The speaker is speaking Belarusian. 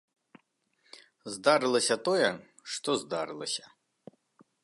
Здарылася тое, што здарылася.